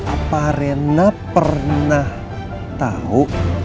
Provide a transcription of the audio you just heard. apa rena pernah tahu